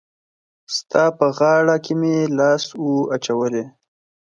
ستا په غاړه کي مي لاس وو اچولی